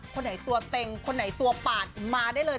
คนไหนตัวเต็งคนไหนตัวปาดมาได้เลย